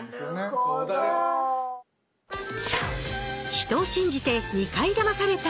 「人を信じて２回だまされた」